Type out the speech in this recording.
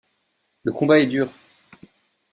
Le combat est dur.